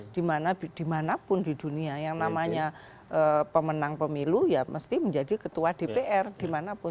dimanapun di dunia yang namanya pemenang pemilu ya mesti menjadi ketua dpr dimanapun